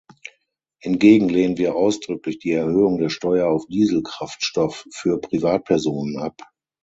Hingegen lehnen wir ausdrücklich die Erhöhung der Steuer auf Dieselkraftstoff für Privatpersonen ab.